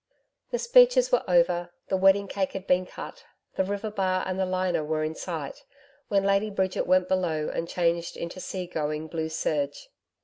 The speeches were over; the wedding cake had been cut; the river bar and the liner were in sight, when Lady Bridget went below and changed into sea going blue serge.